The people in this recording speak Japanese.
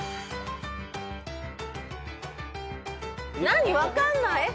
何分かんない！